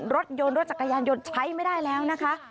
รถยนต์รถจักรยานยนต์ใช้ไม่ได้แล้วนะคะ